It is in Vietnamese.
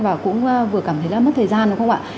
và cũng vừa cảm thấy là mất thời gian đúng không ạ